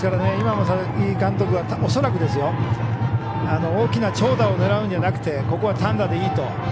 今も佐々木監督は恐らく大きな長打を狙うんじゃなくてここは単打でいいと。